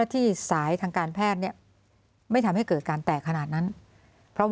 ที่สายทางการแพทย์เนี่ยไม่ทำให้เกิดการแตกขนาดนั้นเพราะว่า